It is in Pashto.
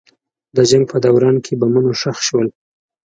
د جنګ په دوران کې بمونه ښخ شول.